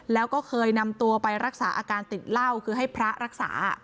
แล้วก็เคยนำตัวไปรักษาอาการติดเหล้าคือให้พระรักษา